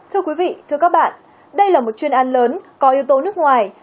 thưa quý vị thưa các bạn đây là một chuyên án lớn có yếu tố nước ngoài